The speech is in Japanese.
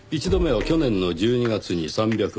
１度目は去年の１２月に３００万。